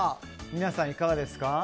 皆さん、いかがですか？